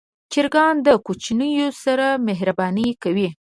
چرګان د کوچنیانو سره مهرباني کوي.